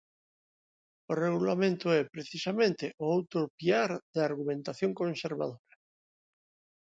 O Regulamento é, precisamente, o outro piar da argumentación conservadora.